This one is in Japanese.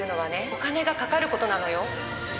お金がかかることなのよ。